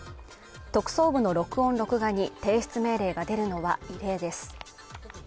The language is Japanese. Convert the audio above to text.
特捜部の録音・録画に提出命令が出るのは異例です